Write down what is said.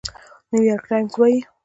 نيويارک ټايمز وايي،